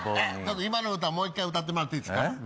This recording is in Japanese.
今の歌もう１回歌ってもらっていいですか？